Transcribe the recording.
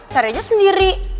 cari aja sendiri